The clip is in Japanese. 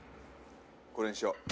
これにしよ。